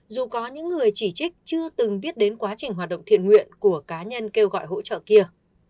dù có những người chỉ trích chưa từng biết đến quá trình hoạt động thiện nguyện của cá nhân kêu gọi hỗ trợ kia